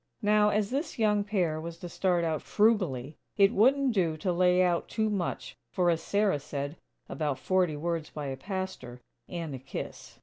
Now, as this young pair was to start out frugally, it wouldn't do to lay out too much for, as Sarah said, "about forty words by a pastor, and a kiss."